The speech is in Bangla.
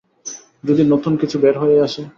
যদি নতুন কিছু বের হয়ে আসে।